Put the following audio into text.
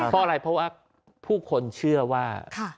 เพราะอะไรเพราะว่าผู้คนเชื่อว่า